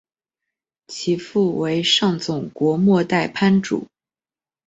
其父为上总国末代藩主。